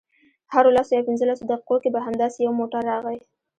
هرو لسو یا پنځلسو دقیقو کې به همداسې یو موټر راغی.